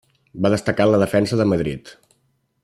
Va destacar en la defensa de Madrid.